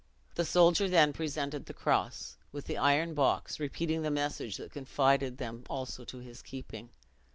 The soldier then presented the cross, with the iron box; repeating the message that confided them also to his keeping.